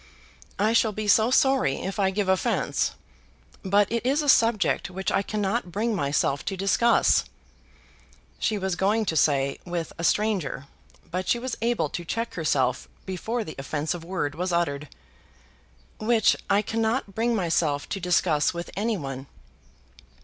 "I shall be so sorry if I give offence, but it is a subject which I cannot bring myself to discuss" she was going to say with a stranger, but she was able to check herself before the offensive word was uttered, "which I cannot bring myself to discuss with any one."